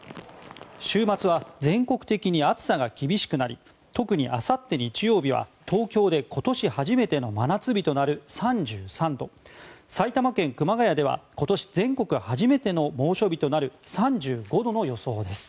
週末は全国的に暑さが厳しくなり特に明後日日曜日は東京で今年初めての真夏日となる３３度埼玉県熊谷では今年全国初めての猛暑日となる３５度の予想です。